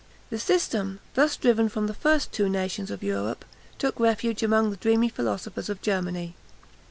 The system, thus driven from the first two nations of Europe, took refuge among the dreamy philosophers of Germany.